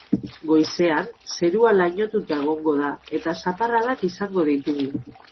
Goizean, zerua lainotuta egongo da, eta zaparradak izango ditugu.